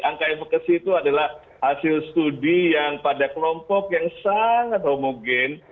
angka efekasi itu adalah hasil studi yang pada kelompok yang sangat homogen